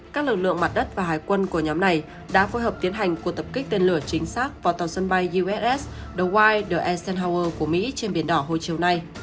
các lực lượng mặt đất và hải quân của nhóm này đã phối hợp tiến hành cuộc tập kích tên lửa chính xác vào tàu sân bay uss dewide the esen hower của mỹ trên biển đỏ hồi chiều nay